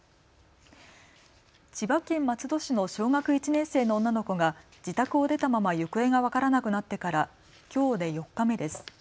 千葉県松戸市の小学１年生の女の子が自宅を出たまま行方が分からなくなってからきょうで４日目です。